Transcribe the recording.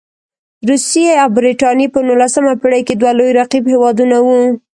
روسیې او برټانیې په نولسمه پېړۍ کې دوه لوی رقیب هېوادونه وو.